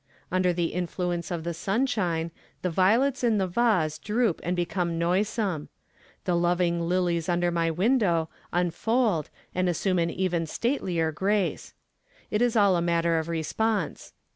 Under the influence of the sunshine, the violets in the vase droop and become noisome; the living lilies under my window unfold and assume an even statelier grace. It is all a matter of response.